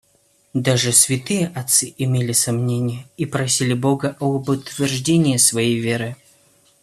Даже святые отцы имели сомнения и просили Бога об утверждении своей веры.